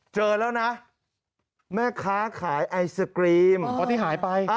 เจอแล้วนะแม่ค้าขายไอศกรีม